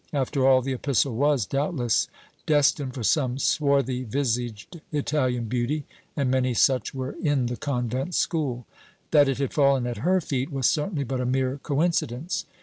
After all, the epistle was, doubtless, destined for some swarthy visaged Italian beauty, and many such were in the convent school. That it had fallen at her feet was certainly but a mere coincidence.